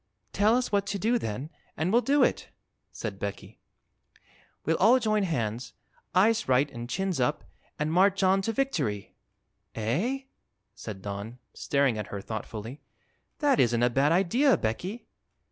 "Tell us what to do, then, and we'll do it," said Becky. "We'll all join hands, eyes right an' chins up, an' march on to victory!" "Eh?" said Don, staring at her thoughtfully; "that isn't a bad idea, Becky."